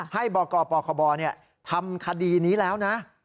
บกปคบทำคดีนี้แล้วนะ